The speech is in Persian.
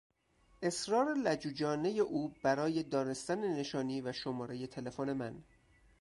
اصرار لجوجانهی او برای دانستن نشانی و شمارهی تلفن من